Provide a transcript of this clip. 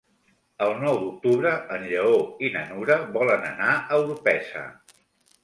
El nou d'octubre en Lleó i na Nura volen anar a Orpesa.